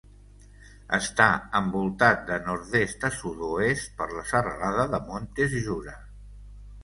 Està envoltat de nord-est a sud-oest per la serralada de Montes Jura.